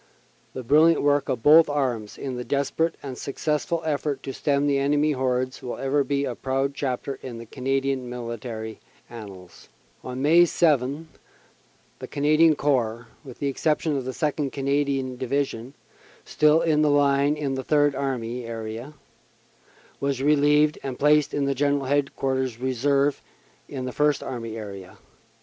The brilliant work of both arms in the desper ate and successful effort to stem the enemy hordes will ever be a proud chapter in Canadian military annals. On May 7 the Canadian Corps, with the exception of the 2nd. Canadian Division, still in the line in the Third Army area, was relieved and placed in General Headquarters Reserve in the First Army area.